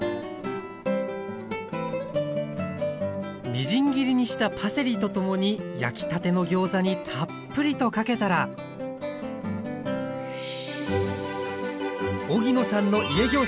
みじん切りにしたパセリとともに焼きたてのギョーザにたっぷりとかけたら荻野さんの「家ギョーザ」